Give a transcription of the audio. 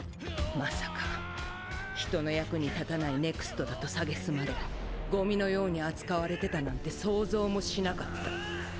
まさか人の役に立たないＮＥＸＴだと蔑まれゴミのように扱われてたなんて想像もしなかった。